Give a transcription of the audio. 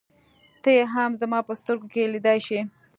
ته يې هم زما په سترګو کې لیدلای شې.